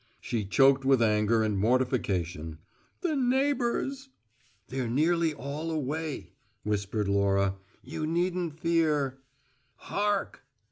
She choked with anger and mortification. "The neighbours " "They're nearly all away," whispered Laura. "You needn't fear " "Hark!"